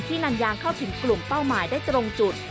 ลันยางเข้าถึงกลุ่มเป้าหมายได้ตรงจุด